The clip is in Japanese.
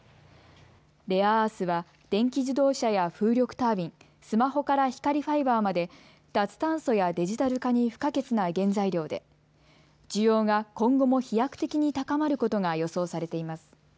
レアアースは電気自動車や風力タービン、スマホから光ファイバーまで脱炭素やデジタル化に不可欠な原材料で需要が今後も飛躍的に高まることが予想されています。